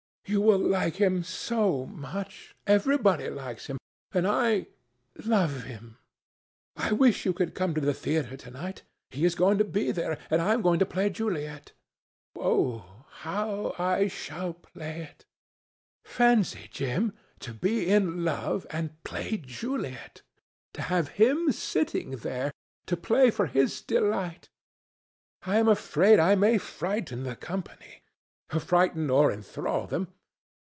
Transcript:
You will like him so much. Everybody likes him, and I ... love him. I wish you could come to the theatre to night. He is going to be there, and I am to play Juliet. Oh! how I shall play it! Fancy, Jim, to be in love and play Juliet! To have him sitting there! To play for his delight! I am afraid I may frighten the company, frighten or enthrall them.